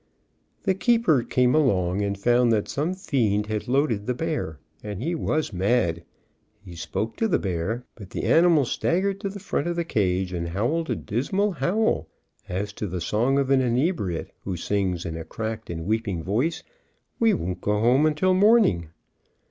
The keeper came along and found that some fiend had loaded the bear, and he was mad. H spoke to the bear, but the animal staggered to the front of the cage, and howled a dismal howl n*infor 208 A BEAR WITH A JAG to the song of an inebriate who sings in a cracked and weeping voice, "We won't go home till morning."